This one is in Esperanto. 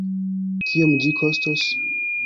Kiom ĝi kostos?